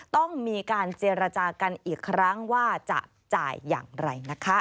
ต้องมีการเจรจากันอีกครั้งว่าจะจ่ายอย่างไรนะคะ